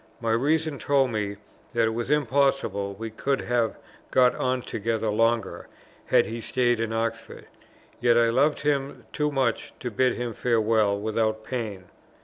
My reason told me that it was impossible we could have got on together longer, had he stayed in Oxford; yet I loved him too much to bid him farewell without pain.